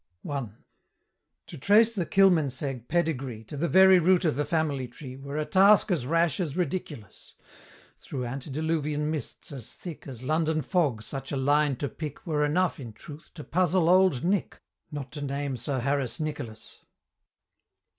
I. To trace the Kilmansegg pedigree To the very root of the family tree Were a task as rash as ridiculous: Through antediluvian mists as thick As London fog such a line to pick Were enough, in truth, to puzzle old Nick, Not to name Sir Harris Nicolas.